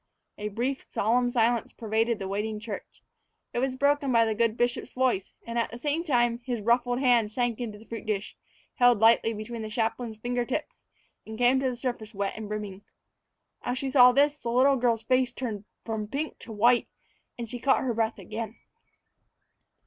A brief, solemn silence pervaded the waiting church. It was broken by the good bishop's voice; and, at the same time, his ruffled hand sank into the fruit dish, held lightly between the chaplain's finger tips, and came to the surface wet and brimming. As she saw this, the little girl's face turned from pink to white, and she caught her breath again.